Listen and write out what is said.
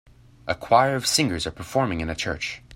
A choir of singers are performing in a church.